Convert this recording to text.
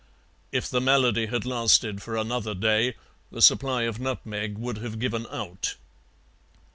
If the malady had lasted for another day the supply of nutmeg would have given out.